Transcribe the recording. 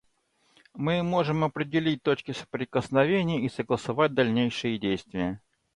Мы можем определить точки соприкосновения и согласовать дальнейшие действия.